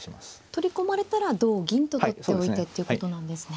取り込まれたら同銀と取っておいてっていうことなんですね。